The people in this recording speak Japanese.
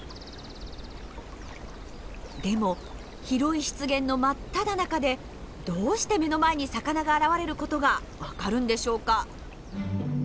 でも広い湿原の真っただ中でどうして目の前に魚が現れる事が分かるんでしょうか？